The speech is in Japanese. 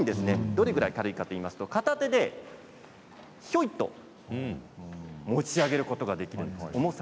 どれくらい軽いかといいますと片手でひょいと持ち上げることができるんです。